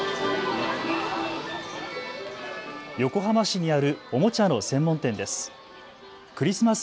横浜市にあるおもちゃの専門店です。